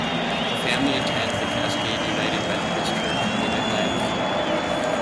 The family attends the Cascade United Methodist Church when in Atlanta.